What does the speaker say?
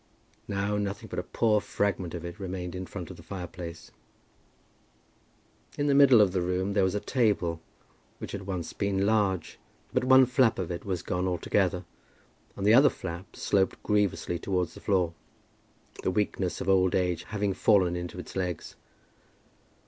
Now nothing but a poor fragment of it remained in front of the fire place. In the middle of the room there was a table which had once been large; but one flap of it was gone altogether, and the other flap sloped grievously towards the floor, the weakness of old age having fallen into its legs.